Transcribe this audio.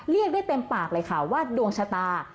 เรียกได้เต็มปากเลยค่ะว่าดวงชะตา